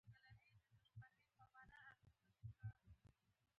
پابندي غرونه د افغانانو د ورځني معیشت یوه سرچینه ده.